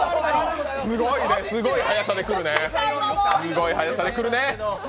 すごいね、すごい早さでくるねすごい早さでくるね！